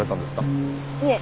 いえ。